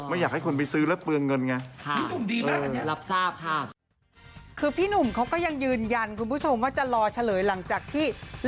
อยากให้คนไปซื้อแล้วเปลืองเงินไง